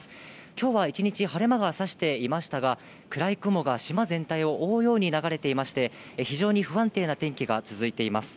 きょうは一日、晴れ間がさしていましたが、暗い雲が島全体を覆うように流れていまして、非常に不安定な天気が続いています。